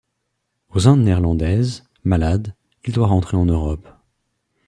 Aux Indes néerlandaises, malade, il doit rentrer en Europe.